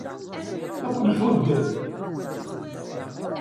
Ad ken-ḥudden.